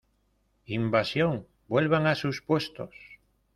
¡ Invasión! ¡ vuelvan a sus puestos !